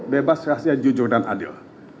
bebas kasihan jujur dan adil